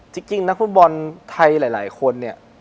จริงนักฟุตบอลไทยหลายคน